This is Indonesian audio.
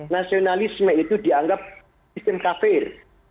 nasionalisme itu dianggap sistem kafir